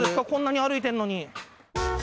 こんなに歩いてるのに。